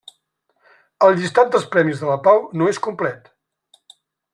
El llistat dels Premis de la Pau no és complet.